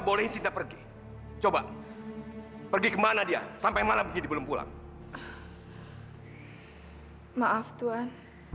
boleh cinta pergi coba pergi kemana dia sampai malam jadi belum pulang maaf tuhan